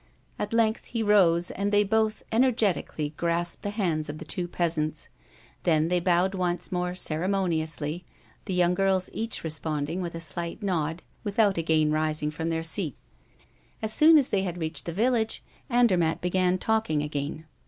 At length he rose, and they both energetically grasped the hands of the two peasants; then they bowed once more ceremoniously, the young girls each responding with a slight nod, without again rising from their seats. As soon as they had reached the village, Andermatt began talking again.